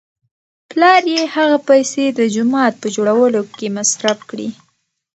پلار یې هغه پیسې د جومات په جوړولو کې مصرف کړې.